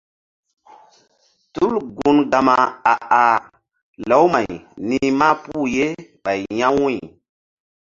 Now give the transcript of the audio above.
Tul gun Gama a ah lawmay ni̧h mahpuh ye ɓay ya̧ wu̧y.